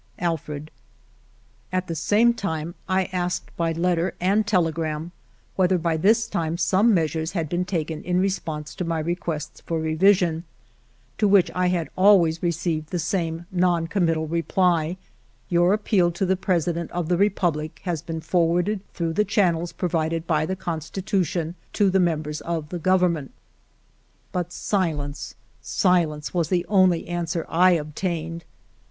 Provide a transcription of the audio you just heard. Alfred.'* At the same time I asked by letter and tele gram whether by this time some measures had been taken in response to my requests for revision, to which I had always received the same non committal reply :" Your appeal to the President of the Republic has been forwarded through the channels provided by the constitution to the members of the Government." But silence, silence, was the only answer I obtained.